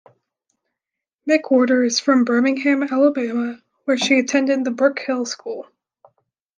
McWhorter is from Birmingham, Alabama, where she attended the Brooke Hill School.